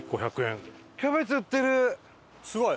すごい。